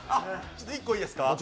一個いいですか？